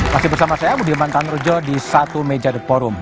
masih bersama saya budiman tamrjo di satu meja the forum